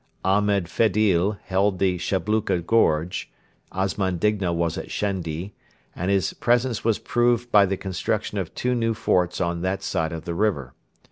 Ahmed Fedil held the Shabluka Gorge, Osman Digna was at Shendi, and his presence was proved by the construction of two new forts on that side of the river.